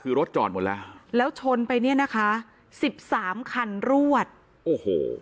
คือรถจอดหมดแล้วแล้วชนไปเนี่ยนะคะสิบสามคันรวดโอ้โห